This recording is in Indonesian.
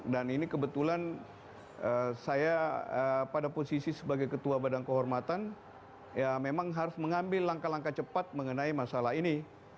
dan ini kebetulan saya pada posisi sebagai ketua badan kehormatan ya memang harus mengambil langkah langkah cepat mengenai masalah ini